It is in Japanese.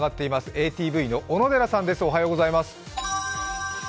ＡＴＶの小野寺さんです。